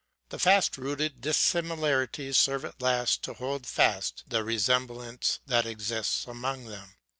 The fast rooted dissimilarities serve at last to hold fast the re semblance that exists among them.